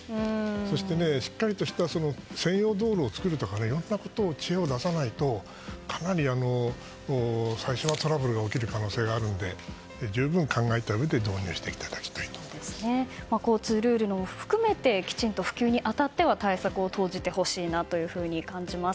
そして、しっかりとした専用道路を作るなどいろいろな知恵を出さないとかなり、最初はトラブルが起こる可能性があるので十分考えたうえで交通ルールも含めてきちんと普及に当たっては対策を講じてほしいと感じます。